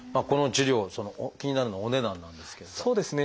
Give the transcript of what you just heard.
この治療気になるのはお値段なんですけれども。